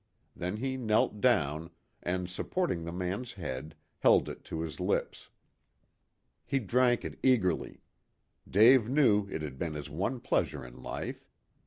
Then he knelt down, and supporting the man's head, held it to his lips. He drank it eagerly. Dave knew it had been his one pleasure in life.